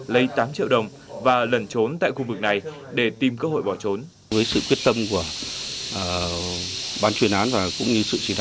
lấy tám triệu đồng và lẩn trốn tại khu vực này để tìm cơ hội bỏ trốn